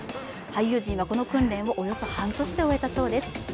俳優陣はこの訓練を、およそ半年で終えたそうです。